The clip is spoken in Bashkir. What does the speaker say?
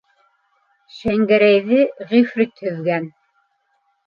Шәңгәрәйҙе Ғифрит һөҙгән!